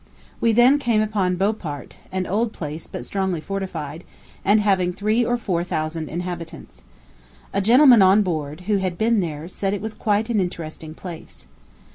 We then came upon Bopart, an old place, but strongly fortified, and having three or four thousand inhabitants. A gentleman on board, who had been there, said it was quite an interesting place.